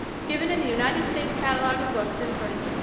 Given in the United States Catalogue of Books in Print (1912).